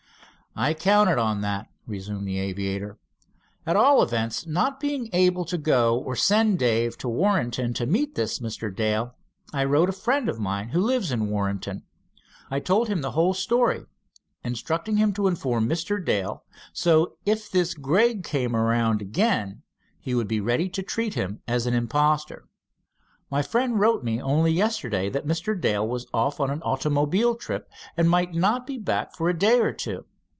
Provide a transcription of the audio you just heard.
"I counted on that," resumed the aviator. "At all events, not being able to go or send Dave to Warrenton to meet this Mr. Dale, I wrote to a friend of mine who lives at Warrenton. I told him the whole story, instructing him to inform Mr. Dale, so if this Gregg came around again, he would be ready to treat him as an imposter. My friend wrote me only yesterday that Mr. Dale was off on an automobile trip, and might not be back for a day or two.